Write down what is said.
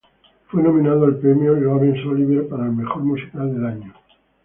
Fue nominado al Premio Laurence Olivier para Mejor Musical del Año.